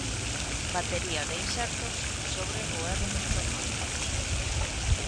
Batería de insertos sobre o erro dos prognósticos.